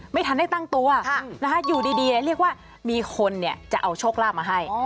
ไม่ทันได้ตั้งตัวอยู่ดีเรียกว่ามีคนจะเอาโชคลาภมาให้